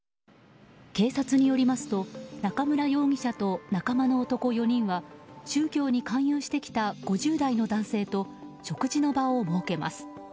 警察によりますと中村容疑者と仲間の男４人は宗教に勧誘してきた５０代の男性と食事の場を設けます。